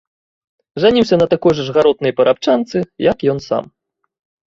Жаніўся на такой жа гаротнай парабчанцы, як ён сам.